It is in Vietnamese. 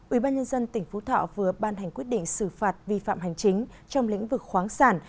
ủy ban nhân dân tỉnh phú thọ vừa ban hành quyết định xử phạt vi phạm hành chính trong lĩnh vực khoáng sản